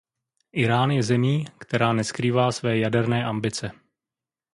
Irán je zemí, která neskrývá své jaderné ambice.